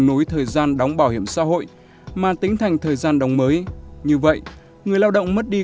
nối thời gian đóng bảo hiểm xã hội mà tính thành thời gian đóng mới như vậy người lao động mất đi